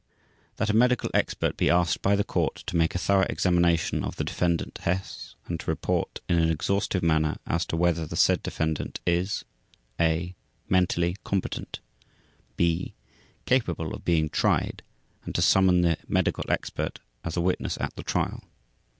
That a medical expert be asked by the Court to make a thorough examination of the Defendant Hess and to report in an exhaustive manner as to whether the said defendant is a) mentally competent, b) capable of being tried, and to summon the medical expert as a witness at the Trial.